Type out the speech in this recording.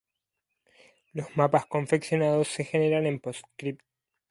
Los mapas confeccionados se generan en Postscript.